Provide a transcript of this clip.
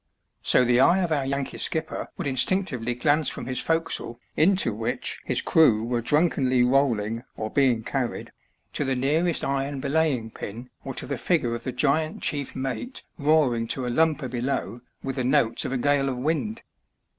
So the eye of our Yankee skipper would in stinctively glance from his forecastle into which his crew were drunkenly rolling or being carried, to the nearest iron belaying pin or to the figure of the giant chief mate roaring to a lumper below with the notes of a gale of wind.